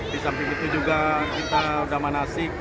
di samping itu juga kita zaman asik